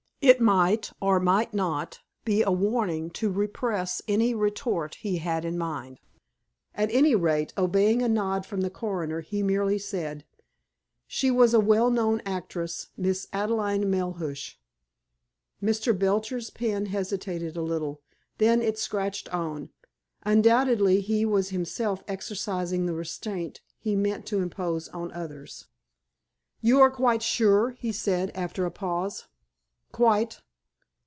It might, or might not, be a warning to repress any retort he had in mind. At any rate, obeying a nod from the coroner, he merely said: "She was a well known actress, Miss Adelaide Melhuish." Mr. Belcher's pen hesitated a little. Then it scratched on. Undoubtedly, he was himself exercising the restraint he meant to impose on others. "You are quite sure?" he said, after a pause. "Quite."